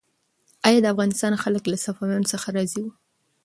آیا د افغانستان خلک له صفویانو څخه راضي وو؟